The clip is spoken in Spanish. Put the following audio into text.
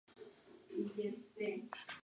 Su apellido es de origen polaco.